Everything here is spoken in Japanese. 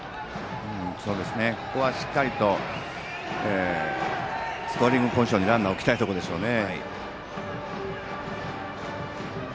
ここはしっかりとスコアリングポジションにランナーを置きたいところでしょうね。